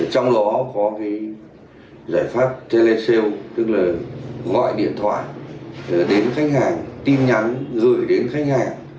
trong đó có giải pháp telecell tức là gọi điện thoại đến khách hàng tin nhắn gửi đến khách hàng